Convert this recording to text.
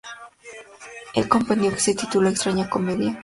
El compendio se titula "Extraña comedia".